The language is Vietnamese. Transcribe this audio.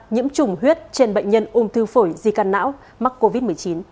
nhiễm trùng huyết trên bệnh nhân ung thư phổi di căn não mắc covid một mươi chín